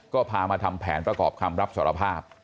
ก็พามาทำแผนประกอบคำรับสารภาพ